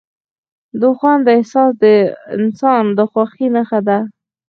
د خوند احساس د انسان د خوښۍ نښه ده.